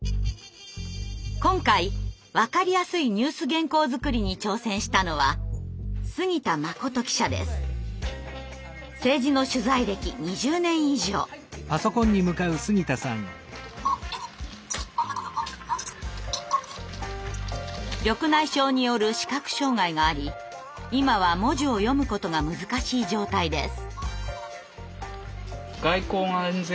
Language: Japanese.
今回わかりやすいニュース原稿づくりに挑戦したのは緑内障による視覚障害があり今は文字を読むことが難しい状態です。